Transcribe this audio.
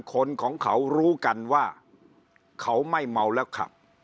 คนของเขารู้กันว่าเขาไม่เมาแล้วขับ